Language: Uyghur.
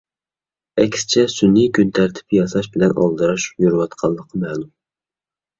ئەكسىچە سۈنئىي كۈن تەرتىپ ياساش بىلەن ئالدىراش يۈرۈۋاتقانلىقى مەلۇم.